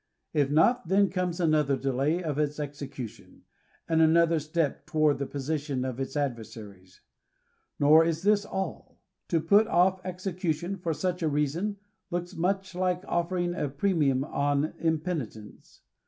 If not, then comes another delay of its execution, and another step toward the position of its adversaries. Nor is this all. To put ofl* execution for such a reason, looks much like oflTering a premium on impenitence.